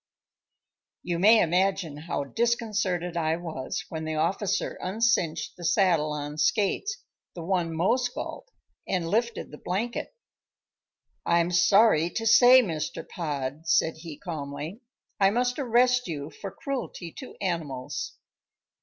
You may imagine how disconcerted I was when the officer uncinched the saddle on Skates, the one most galled, and lifted the blanket. "I am sorry to say, Mr. Pod," said he calmly, "I must arrest you for cruelty to animals."